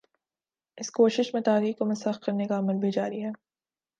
اس کوشش میں تاریخ کو مسخ کرنے کا عمل بھی جاری ہے۔